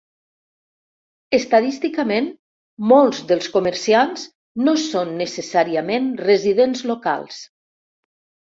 Estadísticament, molts dels comerciants no són necessàriament residents locals.